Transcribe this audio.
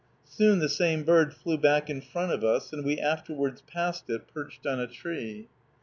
Soon the same bird flew back in front of us, and we afterwards passed it perched on a tree.